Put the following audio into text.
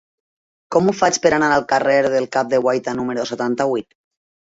Com ho faig per anar al carrer del Cap de Guaita número setanta-vuit?